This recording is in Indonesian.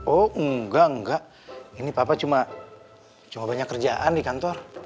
oh enggak enggak ini papa cuma banyak kerjaan di kantor